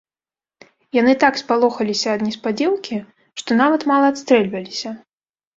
Яны так спалохаліся ад неспадзеўкі, што нават мала адстрэльваліся.